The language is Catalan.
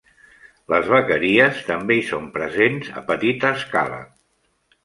Les vaqueries també hi són presents a petita escala.